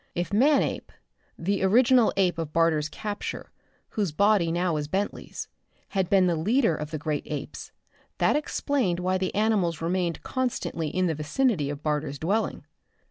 If Manape the original ape of Barter's capture, whose body now was Bentley's had been the leader of the great apes, that explained why the animals remained constantly in the vicinity of Barter's dwelling.